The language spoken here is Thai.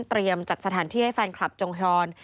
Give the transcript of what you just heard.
เตรียมจัดสถานที่ให้แฟนคลับจงฮยอน